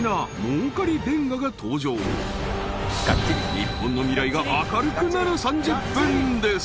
日本の未来が明るくなる３０分です！